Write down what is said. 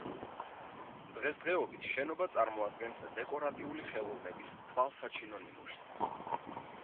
დღესდღეობით შენობა წარმოადგენს დეკორატიული ხელოვნების თვალსაჩინო ნიმუშს.